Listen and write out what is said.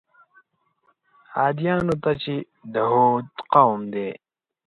عادیانو ته چې د هود قوم دی.